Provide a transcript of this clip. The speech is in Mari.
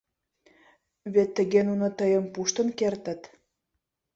— Вет тыге нуно тыйым пуштын кертыт.